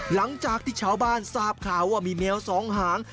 หลังจากที่ชาวบ้านทราบข่าวว่ามีแมวสองหาง